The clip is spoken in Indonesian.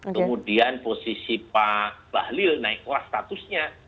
kemudian posisi pak bahlil naik kelas statusnya